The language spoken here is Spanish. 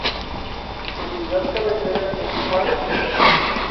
Su ciudad cabecera es Juan Viñas.